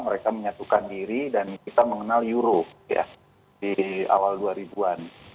mereka menyatukan diri dan kita mengenal euro di awal dua ribu an